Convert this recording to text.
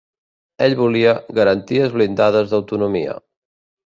Ell volia "garanties blindades d'autonomia".